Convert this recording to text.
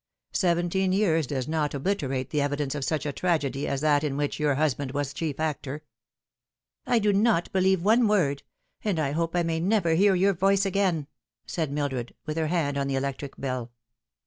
Seventeen years does not obliterate the evidence of such a tragedy as that in which your husband was chief actor." " I do not believe one word and I hope I may never hear your voice again," said Mildred, with her hand on the electric bell.